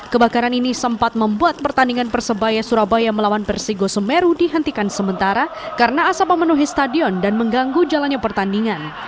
kebakaran ini sempat membuat pertandingan persebaya surabaya melawan persigo semeru dihentikan sementara karena asap memenuhi stadion dan mengganggu jalannya pertandingan